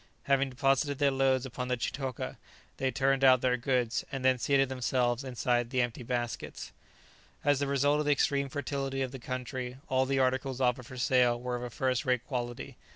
Having deposited their loads upon the chitoka, they turned out their goods, and then seated themselves inside the empty baskets. As the result of the extreme fertility of the country all the articles offered for sale were of a first rate quality.